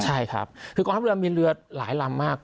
ใช่ครับคือกองทัพเรือมีเรือหลายลำมาก